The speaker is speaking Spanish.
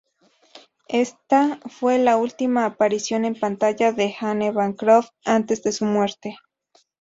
Ésta fue la última aparición en pantalla de Anne Bancroft antes de su muerte.